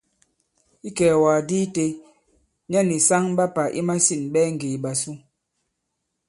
Ikɛ̀ɛ̀wàgàdi itē, nyɛ nì saŋ ɓa pà i masîn ɓɛɛ ŋgè ìɓàsu.